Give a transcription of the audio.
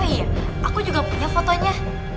iya aku juga punya fotonya